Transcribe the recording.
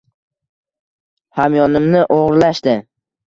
Hamyonimni o’g’irlashdi.